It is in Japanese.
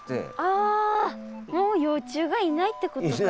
あもう幼虫がいないってことか。